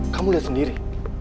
kamu lihat sendiri